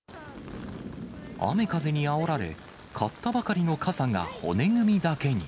雨風にあおられ、買ったばかりの傘が骨組みだけに。